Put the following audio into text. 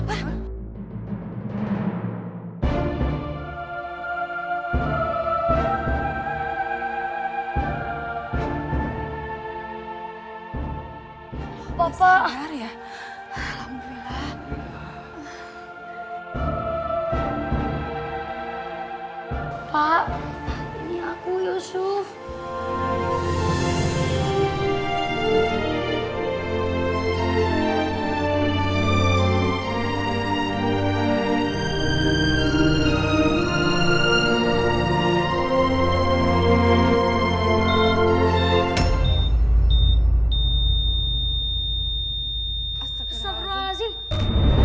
sampai jumpa di video selanjutnya